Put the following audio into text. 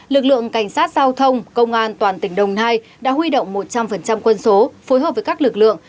lực lượng cảnh sát giao thông công an toàn tỉnh đồng nai đã huy động một trăm linh quân số phối hợp với các lực lượng